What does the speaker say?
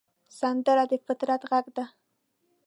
سندره د فطرت غږ دی